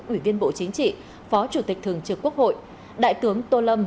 ủy viên bộ chính trị phó chủ tịch thường trực quốc hội đại tướng tô lâm